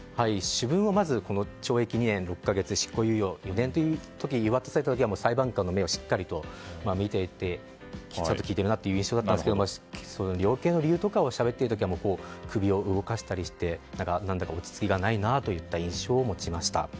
主文、懲役２年６か月執行猶予４年と言われた時は裁判官の目をしっかり見て聞いているなという印象だったんですが量刑の理由を聞いている時は首を動かしたりなんだか落ち着きがないなという印象を持ちました。